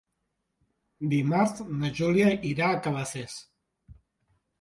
Dimarts na Júlia irà a Cabacés.